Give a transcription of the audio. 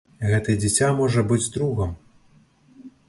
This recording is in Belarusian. Гэтае дзіця можа быць другам.